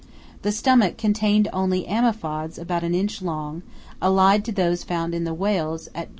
The stomach contained only amphipods about an inch long, allied to those found in the whales at Grytviken.